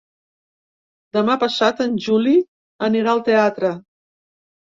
Demà passat en Juli anirà al teatre.